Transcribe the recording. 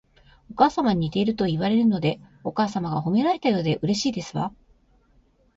お母様に似ているといわれるので、お母様が褒められたようでうれしいですわ